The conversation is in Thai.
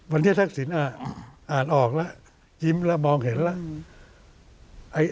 วันนี้ทักษิณอ่านออกแล้วยิ้มแล้วมองเห็นแล้ว